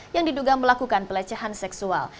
yang diduga melakukan pelecehan seksual